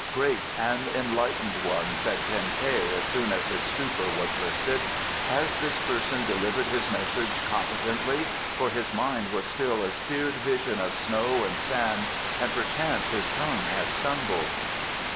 "Great and enlightened one," said Ten teh, as soon as his stupor was lifted, "has this person delivered his message competently, for his mind was still a seared vision of snow and sand and perchance his tongue has stumbled?"